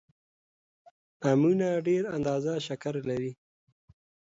امونه ډېره اندازه شکر لري